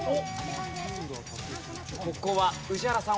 ここは宇治原さん